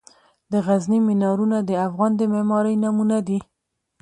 د غزني مینارونه د افغان د معمارۍ نمونه دي.